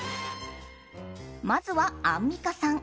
まずはアンミカさん。